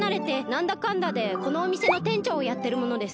なんだかんだでこのおみせのてんちょうをやってるものです。